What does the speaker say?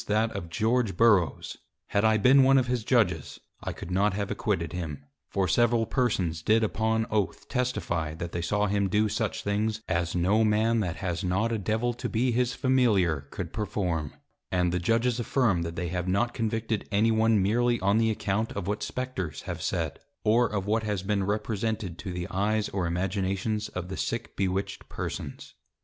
_ that of George Burroughs; had I been one of his Judges, I could not have acquitted him: For several Persons did upon Oath testifie, that they saw him do such things as no Man that has not a Devil to be his Familiar could perform: And the Judges affirm, that they have not convicted any one meerly on the account of what Spectres have said, or of what has been represented to the Eyes or Imaginations of the sick bewitched Persons.